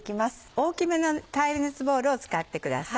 大きめの耐熱ボウルを使ってください。